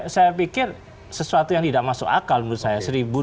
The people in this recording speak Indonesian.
saya pikir sesuatu yang tidak masuk akal menurut saya